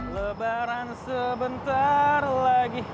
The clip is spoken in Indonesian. lebaran sebentar lagi